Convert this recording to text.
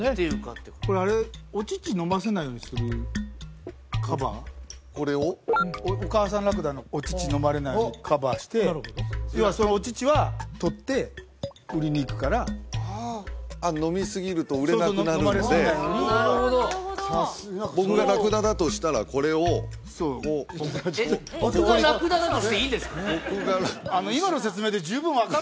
これお乳飲ませないようにするカバーお母さんラクダのお乳飲まれないようにカバーして要はそのお乳は取って売りに行くから飲みすぎると売れなくなるのでそうそう飲まれすぎないように僕がラクダだとしたらこれをこう僕がラクダだとしていいんですか？